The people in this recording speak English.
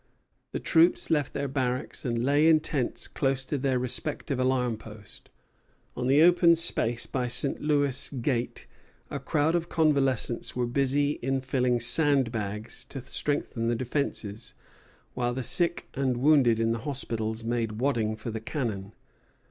The troops left their barracks and lay in tents close to their respective alarm posts. On the open space by St. Louis Gate a crowd of convalescents were busy in fillings and bags to strengthen the defences, while the sick and wounded in the hospitals made wadding for the cannon.